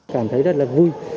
cảm thấy rất là vui